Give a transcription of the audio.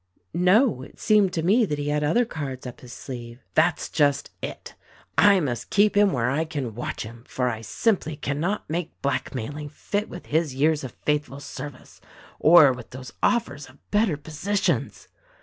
"No; it seemed to me that he had other cards up his sleeve." "That's just it ! I must keep him where I can watch him — for I simply cannot make blackmailing fit with his years of faithful service, or with those offers of better posi tions."